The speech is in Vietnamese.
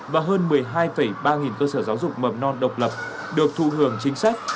và hơn một mươi hai ba cơ sở giáo dục mầm non độc lập được thụ hưởng chính sách